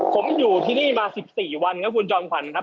ผมอยู่ที่นี่มา๑๔วันครับคุณจอมขวัญครับ